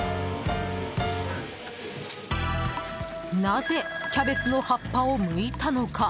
なぜキャベツの葉っぱをむいたのか。